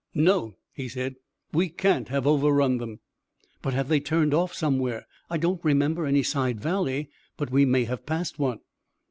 "No," he said, "we can't have over run them." "But have they turned off somewhere? I don't remember any side valley, but we may have passed one."